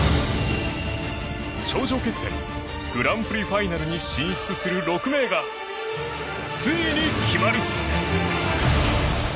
頂上決戦グランプリファイナルに進出する６名がついに決まる。